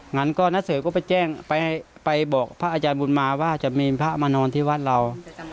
งั้นก็นักสืบก็ไปแจ้งไปบอกพระอาจารย์บุญมาว่าจะมีพระมานอนที่วัดเรา